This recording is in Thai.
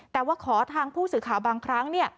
แต่ว่าขอทางผู้สื่อข่าวบางครั้งเนี่ย